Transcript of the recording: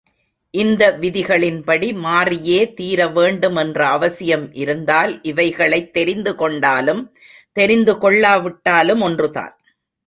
இந்த விதிகளின்படி மாறியே தீர வேண்டும் என்ற அவசியம் இருந்தால், இவைகளைத் தெரிந்துகொண்டாலும், தெரிந்துகொள்ளாவிட்டாலும் ஒன்றுதான்.